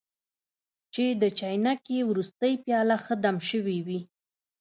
چې د چاینکې وروستۍ پیاله ښه دم شوې وي.